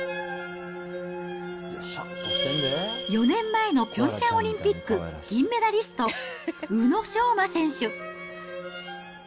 ４年前のピョンチャンオリンピック銀メダリスト、宇野昌磨選手。